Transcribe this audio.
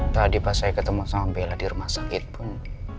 tadi pas saya ketemu sama bella di rumah sakit pun